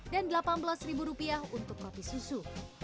dan delapan belas ribu rupiah untuk kopi susu